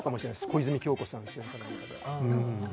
小泉今日子さん主演で。